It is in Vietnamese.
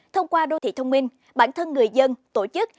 thông qua đô thị thông minh bản thân người dân tổ chức